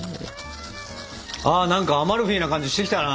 あ何かアマルフィな感じしてきたな。